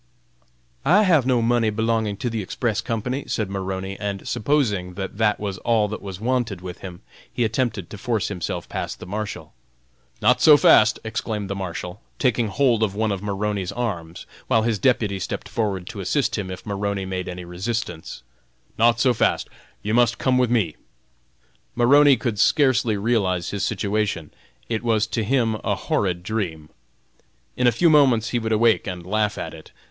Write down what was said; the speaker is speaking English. "I have no money belonging to the Express Company!" said Maroney, and supposing that that was all that was wanted with him, he attempted to force himself past the Marshal. "Not so fast!" exclaimed the Marshal, taking hold of one of Maroney's arms, while his deputy stepped forward to assist him, if Maroney made any resistance. "Not so fast, you must come with me!" Maroney could scarcely realize his situation; it was to him a horrid dream. In a few moments he would awake and laugh at it.